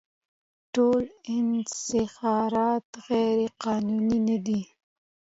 ټول انحصارات غیرقانوني نه دي.